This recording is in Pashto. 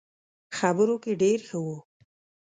خبرو کې ډېر ښه وو.